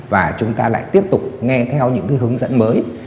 và chúng ta lại tiếp tục nghe theo những hướng dẫn mới